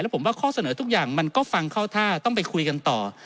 ผมว่าข้อเสนอทุกอย่างมันก็ฟังเข้าท่าต้องไปคุยกันต่อ